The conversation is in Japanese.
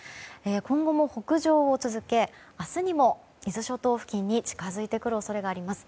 今後も北上を続け明日にも伊豆諸島付近に近づいてくる恐れがあります。